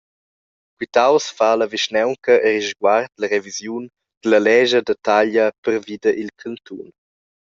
Quitaus fa la vischnaunca arisguard la revisiun dalla lescha da taglia previda dil cantun.